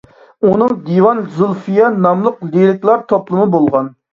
ئۇنىڭ «دىۋان زۇلفىيە» ناملىق لىرىكىلار توپلىمى بولغان.